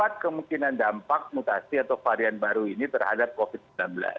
ada kemungkinan dampak mutasi atau varian baru ini terhadap covid sembilan belas